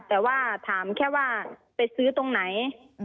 แต่ว่าถามแค่ว่าไปซื้อตรงไหน